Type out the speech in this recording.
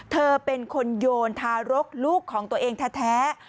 เธอเป็นคนโยนทารกลูกของตัวเองแท้